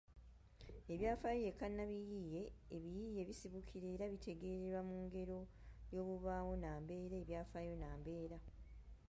Ebyafaayo ye kannabiyiiye: ebiyiiye bisibukira era bitegeererwa mu ggero ly’obubaawo nnambeera – ebyafaayo nnambeera.